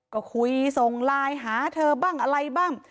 ก็คุยส่งไลน์หาเธอบ้างอะไรบ้าง